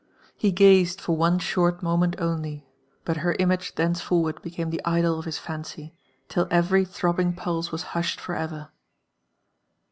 Ke gazed for one short moment only, but her image thenceforward became the idol of his fancy, till every throbbing pulse was hushed for ev^r.